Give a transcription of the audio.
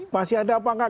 masih ada apa nggak